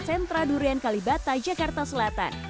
sentra durian kalibata jakarta selatan